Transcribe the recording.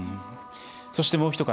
そして、もうお一方。